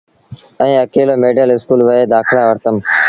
ائيٚݩ اڪيلو ميڊل اسڪول وهي دآکلآ وٺتم۔